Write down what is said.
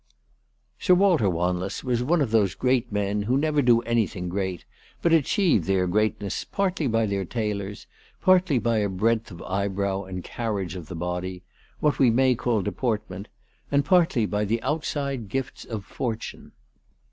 SIR WALTER WANLESS was one of those great men who never do anything great, but achieve their greatness partly by their tailors, partly by a breadth of eyebrow and carriage of the body, what we may call deport ment, and partly by the outside gifts of fortune.